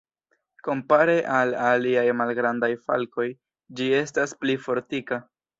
Kompare al aliaj malgrandaj falkoj, ĝi estas pli fortika.